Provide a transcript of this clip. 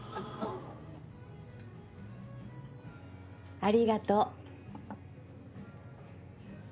ありがと。